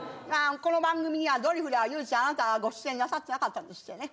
この番組はドリフでは唯一あなたはご出演なさってなかったんですってね。